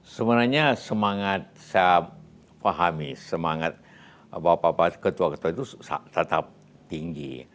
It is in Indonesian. sebenarnya semangat saya pahami semangat bapak bapak ketua ketua itu tetap tinggi